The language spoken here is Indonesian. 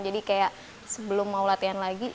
jadi kayak sebelum mau latihan lagi